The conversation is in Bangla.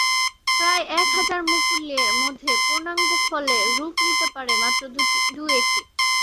প্রায় এক হাজার মুকুলের মধ্যে পূর্ণাঙ্গ ফলে রূপ নিতে পারে মাত্র দু’একটি।